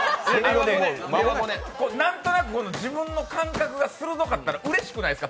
何となく自分の感覚が鋭かったらうれしくないですか？